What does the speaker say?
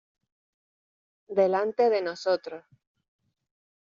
delante de nosotros.